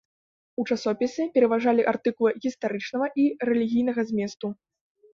У часопісе пераважалі артыкулы гістарычнага і рэлігійнага зместу.